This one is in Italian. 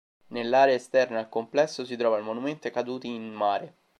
Nell'area esterna al complesso si trova il monumento ai caduti in mare.